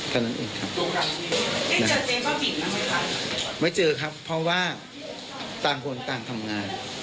เท่านั้นอื่นครับไม่เจอครับเพราะว่าต่างคนต่างทำงาน